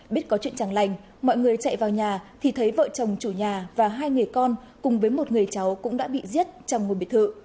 biết có chuyện chẳng lành mọi người chạy vào nhà thì thấy vợ chồng chủ nhà và hai người con cùng với một người cháu cũng đã bị giết trong ngôi biệt thự